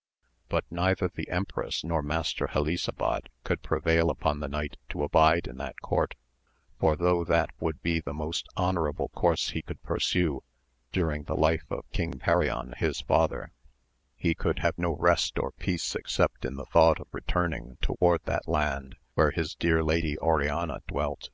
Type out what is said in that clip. AMADIS OF GAUL, 295 But neither the empress nor master Helisabad could prevail upon the knight to abide in that court, for though that would be the most honourable course he could pursue during the life of King Perion his father, he could have no rest or peace except in the thought of returning toward that land where his dear lady Oriana dwelt.